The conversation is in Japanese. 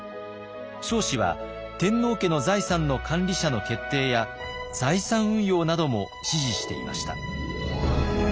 彰子は天皇家の財産の管理者の決定や財産運用なども指示していました。